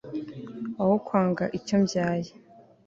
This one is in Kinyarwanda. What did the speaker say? aho kwanga icyo mbyaye